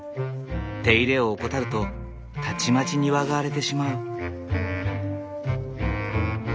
手入れを怠るとたちまち庭が荒れてしまう。